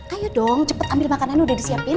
ayo dong cepat ambil makanan udah disiapin